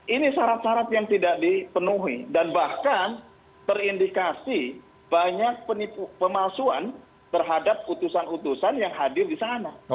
ini syarat syarat yang tidak dipenuhi dan bahkan terindikasi banyak pemalsuan terhadap utusan utusan yang hadir di sana